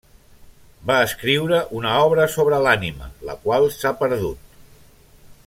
Va escriure una obra sobre l'ànima, la qual s'ha perdut.